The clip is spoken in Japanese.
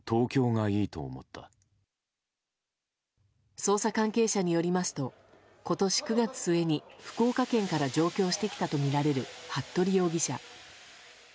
捜査関係者によりますと今年９月末に福岡県から上京してきたとみられる服部容疑者。